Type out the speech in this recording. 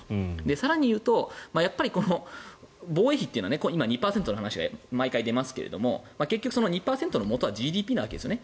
更に言うと防衛費というのは今、２％の話が毎回出ますけど結局、２％のもとはＧＤＰなわけですよね。